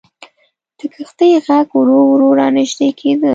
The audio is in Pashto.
د کښتۍ ږغ ورو ورو را نژدې کېده.